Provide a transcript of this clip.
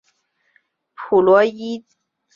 普伦罗伊特是德国巴伐利亚州的一个市镇。